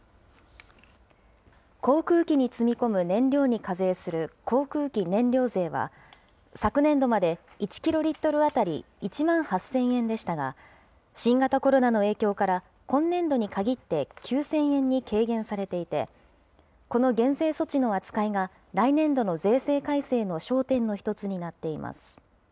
航空機に積み込む燃料に課税する航空機燃料税は、昨年度まで１キロリットル当たり１万８０００円でしたが、新型コロナの影響から、今年度に限って９０００円に軽減されていて、この減税措置の扱いが、来年度の税制改正の焦点の一つになっています。